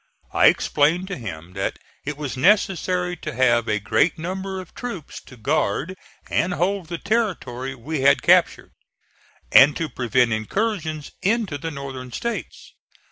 I explained to him that it was necessary to have a great number of troops to guard and hold the territory we had captured, and to prevent incursions into the Northern States.